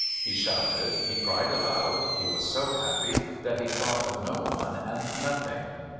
He shouted, he cried aloud, he was so happy that he thought of no one and nothing...